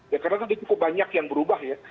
ya karena tadi cukup banyak yang berubah ya